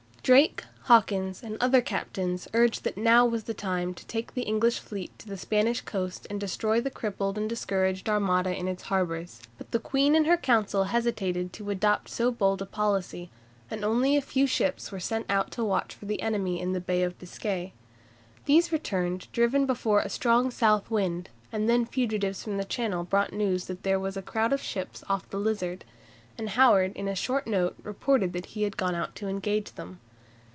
Drake, Hawkins, and other captains urged that now was the time to take the English fleet to the Spanish coast and destroy the crippled and discouraged Armada in its harbours. But the Queen and her Council hesitated to adopt so bold a policy, and only a few ships were sent out to watch for the enemy in the Bay of Biscay. These returned driven before a strong south wind, and then fugitives from the Channel brought news that there was a crowd of ships off the Lizard, and Howard in a short note reported that he had gone out to engage them.